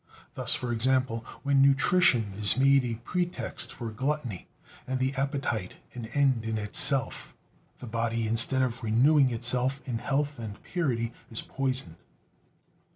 Thus, for example, when nutrition is made a pretext for gluttony, and the appetite an end in itself, the body, instead of renewing itself in health and purity, is poisoned.